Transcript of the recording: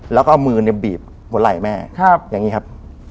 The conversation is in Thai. แล้วก็เอามือเนี่ยบีบหัวไหล่แม่อย่างนี้ครับ